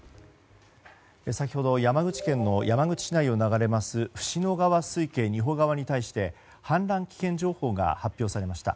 先ほど山口県の山口市内を流れる椹野川水系仁保川に対して氾濫危険情報が発表されました。